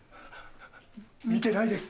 見てないです。